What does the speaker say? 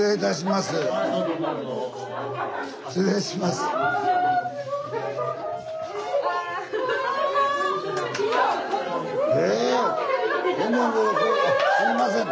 すいません